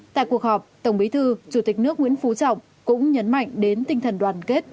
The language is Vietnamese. tại cuộc họp tổng bí thư chủ tịch nước nguyễn phú trọng cũng nhấn mạnh đến tinh thần đoàn kết